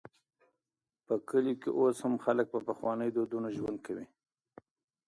په کلیو کې اوس هم خلک په پخوانيو دودونو ژوند کوي.